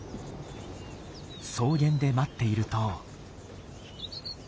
草原で待っていると。